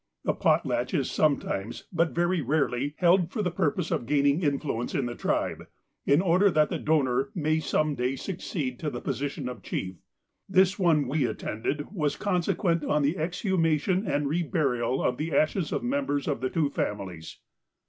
A potlatch is sometimes, but very rarely, held for the purpose of gaining influence in the tribe in order that the donor may some day succeed to the position of chief. This one we attended was consequent on the exhumation and reburial of the ashes of members of the two families.